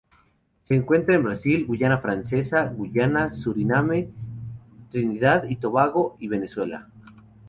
Se encuentra en Brasil, Guayana Francesa, Guyana, Suriname, Trinidad y Tobago y Venezuela.